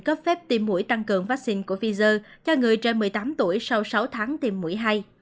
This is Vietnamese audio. cấp phép tiêm mũi tăng cường vaccine của pfizer cho người trên một mươi tám tuổi sau sáu tháng tiêm mũi hai